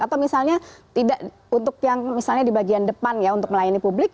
atau misalnya tidak untuk yang misalnya di bagian depan ya untuk melayani publik